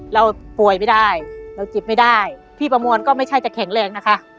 เราป่วยไม่ได้เราเจ็บไม่ได้พี่ประมวลก็ไม่ใช่จะแข็งแรงนะคะ